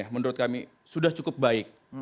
menurut kami sudah cukup baik